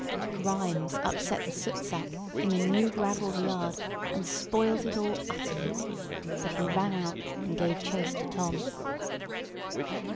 Grimes upset the soot sack in the new gravelled yard, and spoilt it all utterly; but he ran out and gave chase to Tom.